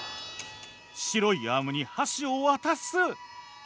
白いアームに箸を渡す。